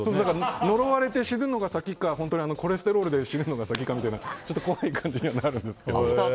呪われて死ぬのが先かコレステロールで死ぬのが先かっていう怖い感じにはなるんですけど。